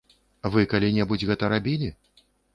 Вы калі-небудзь гэта рабілі?